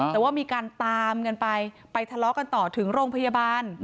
แต่ว่ามีการตามกันไปไปทะเลาะกันต่อถึงโรงพยาบาล